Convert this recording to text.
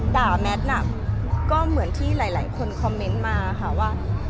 แมทน่ะก็เหมือนที่หลายคนคอมเมนต์มาค่ะว่า